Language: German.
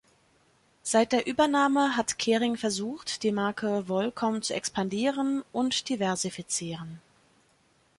Seit der Übernahme hat Kering versucht, die Marke Volcom zu expandieren und diversifizieren.